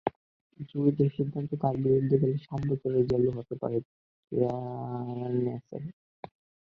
জুরিদের সিদ্ধান্ত তাঁর বিরুদ্ধে গেলে সাত বছরের জেলও হতে পারে কেয়ার্নসের।